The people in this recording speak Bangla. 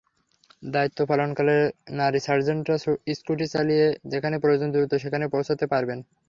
দায়িত্ব পালনকালে নারী সার্জেন্টরা স্কুটি চালিয়ে যেখানে প্রয়োজন, দ্রুত সেখানে পৌঁছাতে পারবেন।